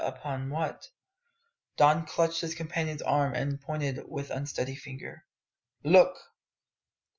upon what? Don clutched his companion's arm and pointed with unsteady finger. "Look!"